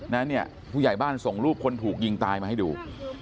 เนี่ยผู้ใหญ่บ้านส่งรูปคนถูกยิงตายมาให้ดู